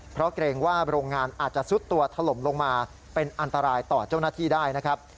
เพราะเกรงว่าโรงงานอาจจะซุดตัวถล่มลงมาเป็นอันตรายต่อเจ้าหน้าที่ได้นะครับ